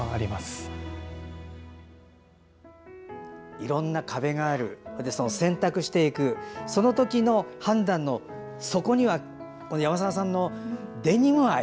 いろんな壁がある選択していくその時の判断の、そこには山澤さんのデニム愛